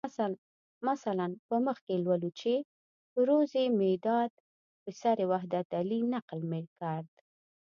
مثلاً په مخ کې لولو چې روزي میاداد پسر وحدت علي نقل میکرد.